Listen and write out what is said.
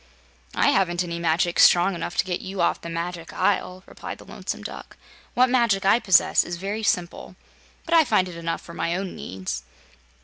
"I haven't any magic strong enough to get you off the Magic Isle," replied the Lonesome Duck. "What magic I possess is very simple, but I find it enough for my own needs."